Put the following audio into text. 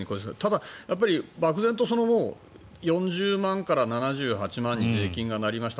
ただ、漠然と４０万から７８万に税金がなりました